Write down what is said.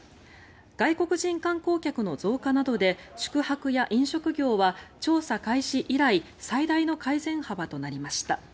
外国人観光客の増加などで宿泊や飲食業は調査開始以来最大の改善幅となりました。